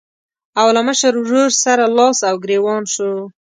او له مشر ورور سره لاس او ګرېوان شو.